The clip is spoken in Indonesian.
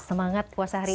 semangat puasa hari ini